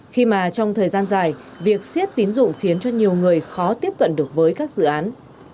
khi mà trong thời gian dài việc siết tín dụng khiến cho nhiều người khó tiếp cận được với các dự án